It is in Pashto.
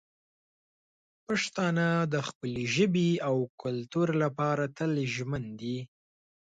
پښتانه د خپلې ژبې او کلتور لپاره تل ژمن دي.